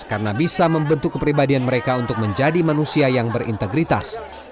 karena bisa membentuk kepribadian mereka untuk menjadi manusia yang berintegritas